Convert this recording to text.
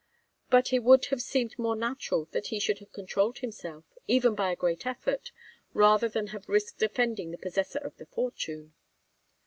But it would have seemed more natural that he should have controlled himself, even by a great effort, rather than have risked offending the possessor of the fortune.